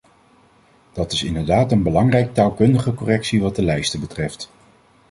Dat is inderdaad een belangrijke taalkundige correctie wat de lijsten betreft.